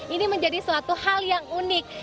ini menjadi suatu hal yang unik